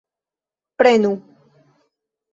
prenu